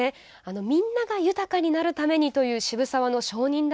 みんなが豊かになるためにという渋沢の商人魂。